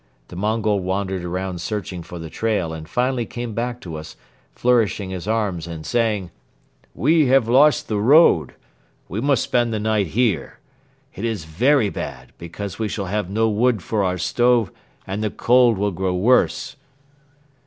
The Mongol wandered around searching for the trail and finally came back to us, flourishing his arms and saying: "We have lost the road. We must spend the night here. It is very bad because we shall have no wood for our stove and the cold will grow worse."